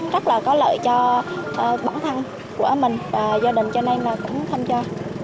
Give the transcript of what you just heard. rất là có lợi cho bản thân của mình và do đình cho nên là cũng tham gia